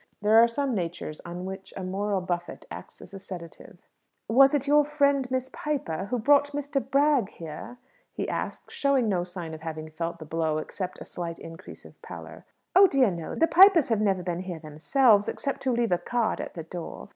There are some natures on which a moral buffet acts as a sedative. "Was it your friend Miss Piper who brought Mr. Bragg here?" he asked, showing no sign of having felt the blow, except a slight increase of pallor. "Oh dear, no! The Pipers have never been here themselves, except to leave a card at the door.